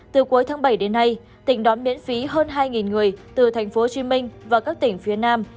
từ cuối tháng bảy đến nay tỉnh đón miễn phí hơn hai người từ thành phố hồ chí minh và các tỉnh phía nam